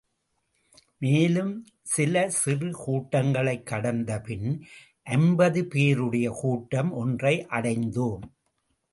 மேலும் சில சிறு கூட்டங்களைக் கடந்த பின், ஐம்பது பேருடைய கூட்டம் ஒன்றை அடைந்தோம்.